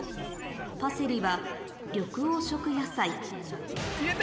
「パセリは緑黄色野菜」入れて！